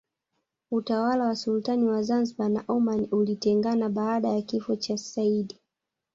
Utawala wa Sultan wa Zanzibar na Oman ulitengana baada ya kifo cha Seyyid